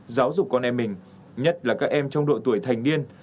giáo dục con em mình nhất là các em trong độ tuổi thành niên